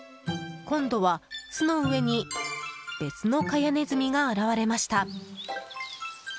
今度は巣の上に別のカヤネズミが現れました。